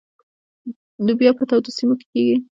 لوبیا په تودو سیمو کې کیږي.